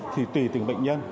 thì tùy từng bệnh nhân